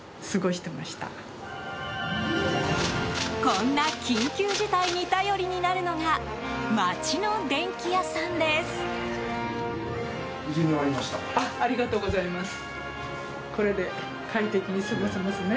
こんな緊急事態に頼りになるのが町の電器屋さんです。